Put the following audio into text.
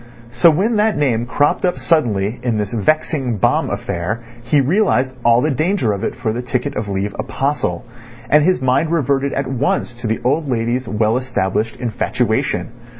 So when that name cropped up suddenly in this vexing bomb affair he realised all the danger of it for the ticket of leave apostle, and his mind reverted at once to the old lady's well established infatuation.